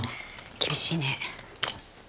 厳しいね。